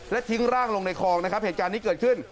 และทิ้งร่างลงในคลองนะครับเหตุการณ์นี้เกิดขึ้น